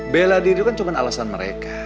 bela diri kan cuma alasan mereka